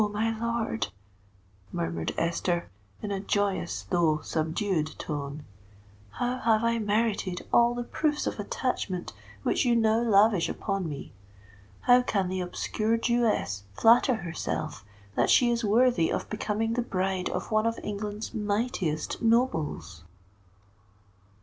my lord," murmured Esther, in a joyous though subdued tone, "how have I merited all the proofs of attachment which you now lavish upon me?—how can the obscure Jewess flatter herself that she is worthy of becoming the bride of one of England's mightiest nobles?"